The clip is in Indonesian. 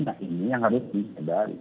nah ini yang harus disadari